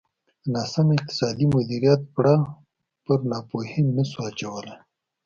د ناسم اقتصادي مدیریت پړه پر ناپوهۍ نه شو اچولای.